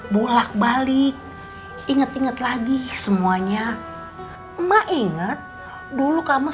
toba kamu panggil dadang achen idhoi suruk kemari